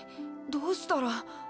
どうしたら。